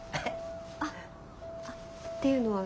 あっあっっていうのは？